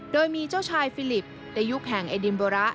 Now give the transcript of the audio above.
โดยมีเจ้าชายฟิลิปในยุคแห่งเอดินโบระ